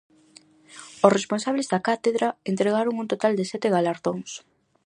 Os responsables da cátedra entregaron un total de sete galardóns.